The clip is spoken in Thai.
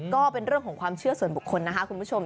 ก็เป็นเรื่องของความเชื่อส่วนบุคคลนะคะคุณผู้ชม